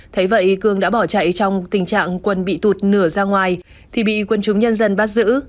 thế vậy cường đã bỏ chạy trong tình trạng quân bị tụt nửa ra ngoài thì bị quân chúng nhân dân bắt giữ